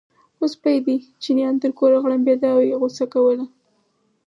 خو سپی دی، چیني ان تر کوره غړمبېده او یې غوسه کوله.